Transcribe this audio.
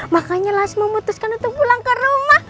makanya las memutuskan untuk pulang ke rumah